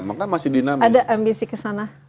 maka masih dinamik ada ambisi kesana